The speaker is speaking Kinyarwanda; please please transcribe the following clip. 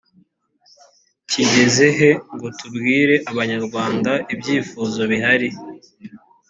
kigeze he ngo tubwire abanyarwanda ibyifuzo bihari‽